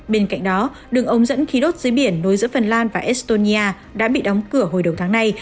bên cạnh đó đường ống dẫn khí đốt dưới biển nối giữa phần lan và estonia đã bị đóng cửa hồi đầu tháng này